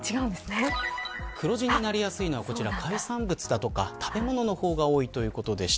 黒字になりやすいのはこちら、海産物だとか食べ物の方が多いということでした。